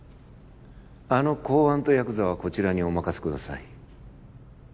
あの公安とヤクザはこちらにお任せください。